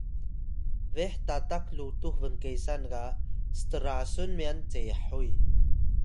beh tatak lutux bnkesan ga strasun myan cehuy